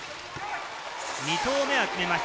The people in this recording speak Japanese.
２投目は決めました。